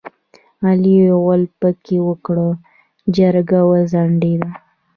علي غول پکې وکړ؛ جرګه وځنډېده.